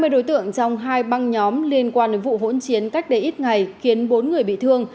hai mươi đối tượng trong hai băng nhóm liên quan đến vụ hỗn chiến cách đây ít ngày khiến bốn người bị thương